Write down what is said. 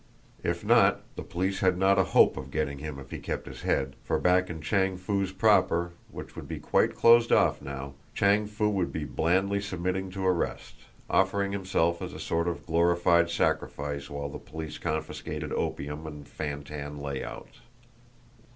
If not, the police had not a hope of getting him if he kept his head; for back in Chang Foo's proper, which would be quite closed off now, Chang Foo would be blandly submitting to arrest, offering himself as a sort of glorified sacrifice while the police confiscated opium and fan tan layouts.